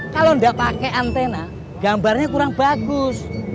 kalau tidak pakai antena gambarnya kurang bagus